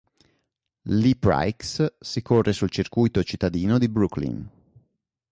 L'E-Prix si corre sul circuito cittadino di Brooklyn.